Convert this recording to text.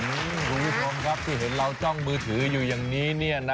คุณผู้ชมครับที่เห็นเราจ้องมือถืออยู่อย่างนี้เนี่ยนะ